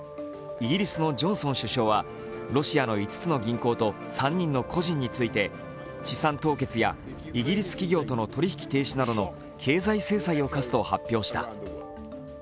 イギリスのジョンソン首相はロシアの５つの銀行と３人の個人について、資産凍結やイギリス企業との取引停止などの経済制裁を科すと発表した。